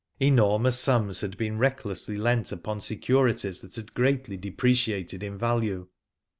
> Enormous sums had been recklessly lent upon securities that had greatly depreciated in value.